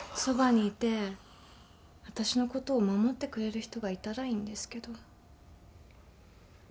そばにいて私のことを守ってくれる人がいたらいいんですけど。